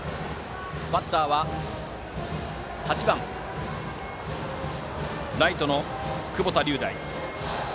バッターは８番ライトの窪田龍大。